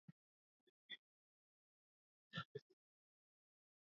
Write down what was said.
ulikuwa kwenye magari na mikutano mingine haikupigwa marufuku katika eneo hilo-hilo